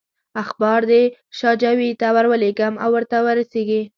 اخبار دې شاجوي ته ورولېږم او ورته رسېږي.